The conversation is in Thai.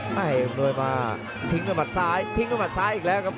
ไม่ให้กำหนดมาทิ้งกับมัดซ้ายทิ้งกับมัดซ้ายอีกแล้วครับ